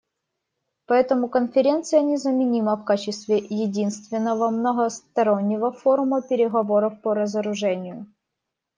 Поэтому Конференция незаменима в качестве единственного многостороннего форума переговоров по разоружению.